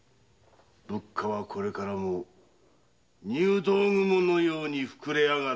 物価はこれからも入道雲のようにふくれあがるか。